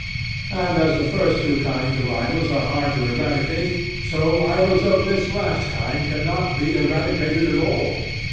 And as the first two kinds of idols are hard to eradicate, so idols of this last kind cannot be eradicated at all.